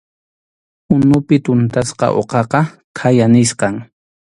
Unupi tuntasqa uqaqa khaya nisqam.